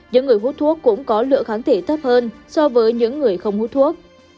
những người hút thuốc cũng có lượng kháng thể thấp hơn so với những người không hút thuốc